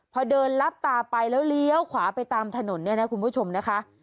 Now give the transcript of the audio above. พอเดินลับตาไปแล้วเลี้ยวขวาไปตามถนนเนี่ยนะคุณผู้ชมนะคะ